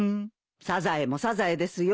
サザエもサザエですよ。